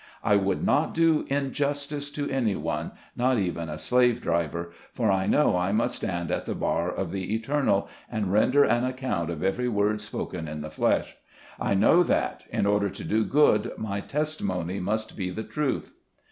I would not do injustice to anyone, not even a slave driver, for I know I must stand at the bar of the Eternal, and render an account of every word spoken in the flesh. I know that, in order to do good, my testimony must be the truth.